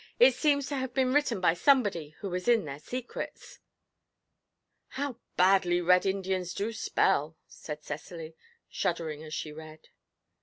It seems to have been written by somebody who is in their secrets.' 'How badly Red Indians do spell!' said Cecily, shuddering as she read.